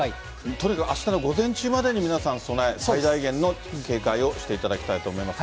とにかくあしたの午前中までに皆さん、備え、最大限の警戒をしていただきたいと思います。